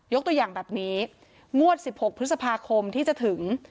ตัวอย่างแบบนี้งวด๑๖พฤษภาคมที่จะถึง